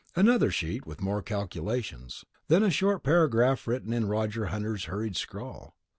Another sheet with more calculations. Then a short paragraph written in Roger Hunter's hurried scrawl.